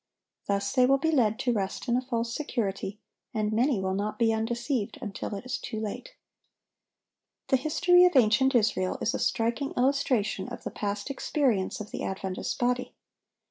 Thus they will be led to rest in a false security, and many will not be undeceived until it is too late. The history of ancient Israel is a striking illustration of the past experience of the Adventist body.